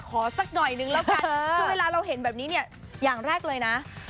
สักหน่อยนึงแล้วกันคือเวลาเราเห็นแบบนี้เนี่ยอย่างแรกเลยนะ